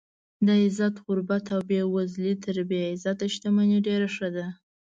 د عزت غربت او بې وزلي تر بې عزته شتمنۍ ډېره ښه ده.